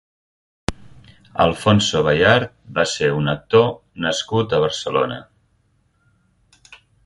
Alfonso Bayard va ser un actor nascut a Barcelona.